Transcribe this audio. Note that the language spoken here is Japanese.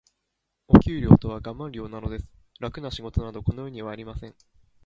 お給料とはガマン料なのです。楽な仕事など、この世にはありません。